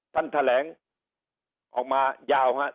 ท่านแถลงออกมายาวครับ